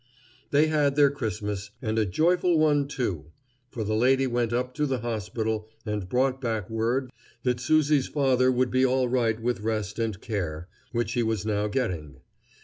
They had their Christmas, and a joyful one, too, for the lady went up to the hospital and brought back word that Susie's father would be all right with rest and care, which he was now getting.